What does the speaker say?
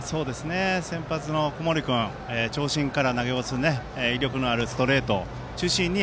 先発の小森君長身から投げる威力のあるストレートを中心に